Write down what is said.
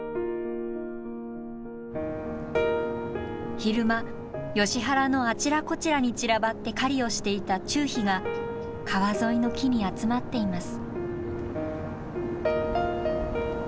昼間ヨシ原のあちらこちらに散らばって狩りをしていたチュウヒが川沿いの木に集まっています。